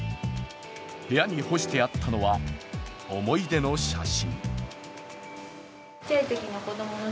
部屋に干してあったのは、思い出の写真。